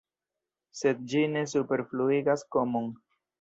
Sed ĝi ne superfluigas komon.